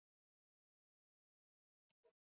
En la noche sin rumbos, tu prendido.